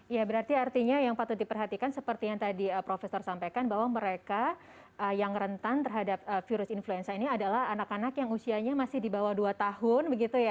ya berarti artinya yang patut diperhatikan seperti yang tadi profesor sampaikan bahwa mereka yang rentan terhadap virus influenza ini adalah anak anak yang usianya masih di bawah dua tahun